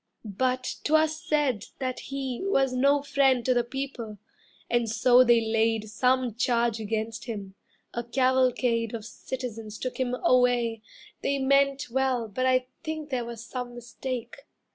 But 'twas said that he Was no friend to the people, and so they laid Some charge against him, a cavalcade Of citizens took him away; they meant Well, but I think there was some mistake.